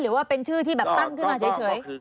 หรือว่าเป็นชื่อที่แบบตั้งขึ้นมาเฉย